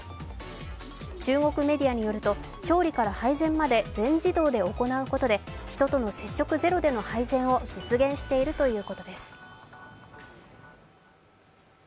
中国メディアによると、調理から配膳まで全自動で行うことで人との接触ゼロでの配膳を実現しているということです。